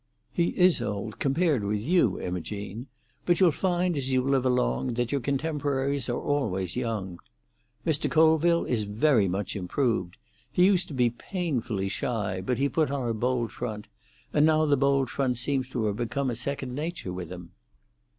"He is old, compared with you, Imogene; but you'll find, as you live along, that your contemporaries are always young. Mr. Colville is very much improved. He used to be painfully shy, but he put on a bold front, and now the bold front seems to have become a second nature with him."